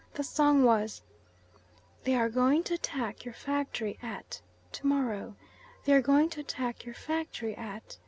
The song was "They are going to attack your factory at ... to morrow. They are going to attack your factory at